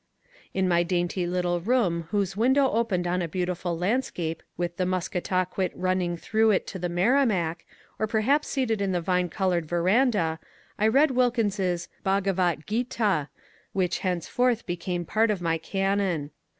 " In my dainty little room whose win dow opened on a beautiful landscape with the Musketaquit wandering through it to the Merrimack, or perhaps seated in the vine covered veranda, I read Wilkins's " Bhagavat Geeta," which thenceforth became part of my canon.